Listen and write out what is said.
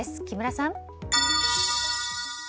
木村さん。